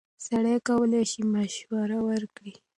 سړی کولی شي مشوره ورکړي.